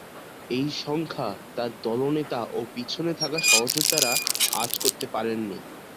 এই সংখ্যা তার দলনেতা ও পেছনে থাকা সহযোদ্ধারা আঁচ করতে পারেননি।